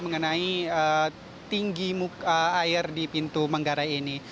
mengenai tinggi muka air di pintu manggarai ini